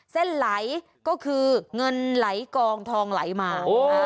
เส้นไหลก็คือเงินไหลกองทองไหลมา